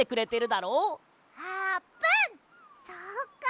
そっか！